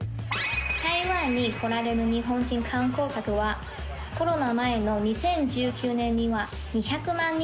台湾に来られる日本人観光客はコロナ前の２０１９年には２００万人を突破しました。